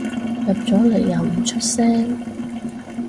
入咗嚟又唔出聲